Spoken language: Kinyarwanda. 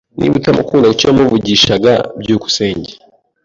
Niba utamukunda, kuki wamuvugishaga? byukusenge